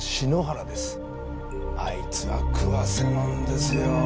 あいつは食わせ者ですよ。